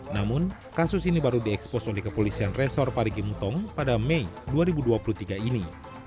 namun kasus ini baru diekspos oleh kepolisian resor parigi mutong pada mei dua ribu dua puluh tiga ini